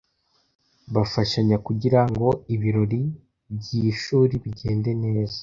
Bafashanya kugirango ibirori byishuri bigende neza.